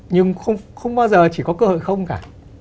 nhưng không bao giờ chỉ có cơ hội không cả